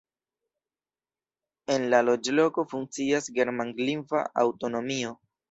En la loĝloko funkcias germanlingva aŭtonomio.